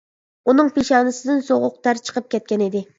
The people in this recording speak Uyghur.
ئۇنىڭ پېشانىسىدىن سوغۇق تەر چىقىپ كەتكەنىدى.